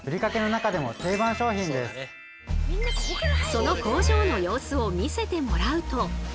その工場の様子を見せてもらうと。